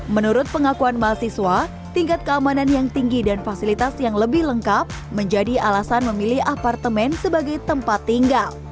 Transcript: menurut pengakuan mahasiswa tingkat keamanan yang tinggi dan fasilitas yang lebih lengkap menjadi alasan memilih apartemen sebagai tempat tinggal